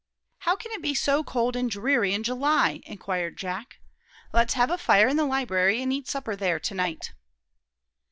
"How can it be so cold and dreary in July?" inquired Jack. "Let's have a fire in the library and eat supper there to night."